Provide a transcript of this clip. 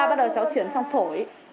bắt đầu cháu chuyển sang phổi